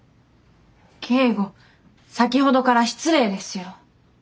京吾先ほどから失礼ですよ。